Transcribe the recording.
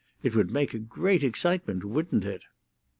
It would make a great excitement, wouldn't it?"